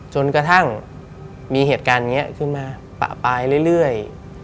จนกระทั่งมีเหตุการณ์นี้ขึ้นมาปะปลายเรื่อย